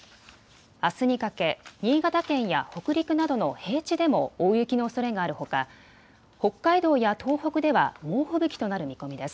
あすにかけ新潟県や北陸などの平地でも大雪のおそれがあるほか北海道や東北では猛吹雪となる見込みです。